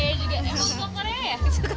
emang lu suka korea ya